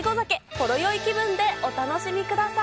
ほろ酔い気分でお楽しみください。